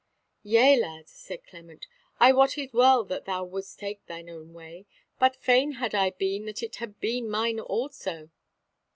"Yea, lad," said Clement, "I wotted well that thou wouldst take thine own way, but fain had I been that it had been mine also."